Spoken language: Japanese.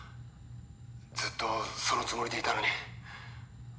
ずっとそのつもりでいたのに。